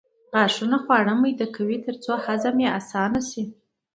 غاښونه خواړه میده کوي ترڅو هضم یې اسانه شي